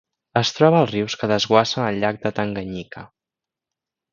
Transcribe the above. Es troba als rius que desguassen al llac Tanganyika.